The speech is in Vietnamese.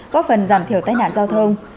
có phần giảm thiểu tai nạn giao thông